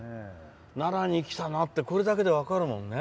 奈良に来たなってこれだけで分かるもんね。